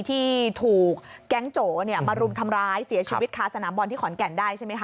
ที่ถูกแก๊งโจมารุมทำร้ายเสียชีวิตคาสนามบอลที่ขอนแก่นได้ใช่ไหมค